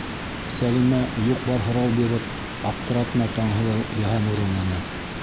Сәлимә, юҡ-бар һорау биреп аптыратма Таңһылыу Йыһаннуровнаны!